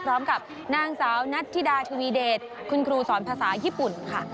พร้อมกับนางสาวนัทธิดาทวีเดชคุณครูสอนภาษาญี่ปุ่นค่ะ